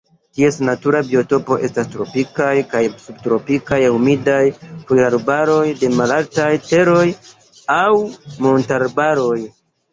Ties natura biotopo estas tropikaj kaj subtropikaj humidaj foliarbaroj de malaltaj teroj aŭ montarbaroj.